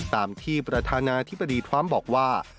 ตามที่ประธานาธิบดีทรัมป์บอกว่า